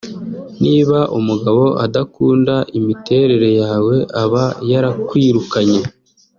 Niba umugabo adakunda imiterere yawe aba yarakwirukanye